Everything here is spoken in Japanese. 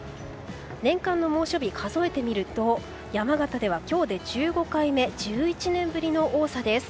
年間の猛暑日、数えてみると山形では今日で１５回目１１年ぶりの多さです。